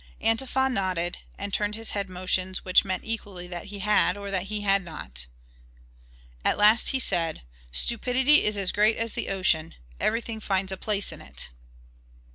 Antefa nodded and turned his head motions which meant equally that he had, or that he had not. At last he said, "Stupidity is as great as the ocean; everything finds a place in it."